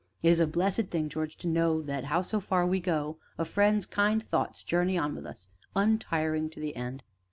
It is a blessed thing, George, to know that, howso far we go, a friend's kind thoughts journey on with us, untiring to the end."